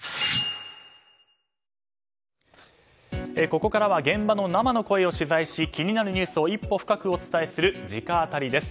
ここからは現場の生の声を取材し気になるニュースを一歩深くお伝えする直アタリです。